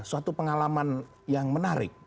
suatu pengalaman yang menarik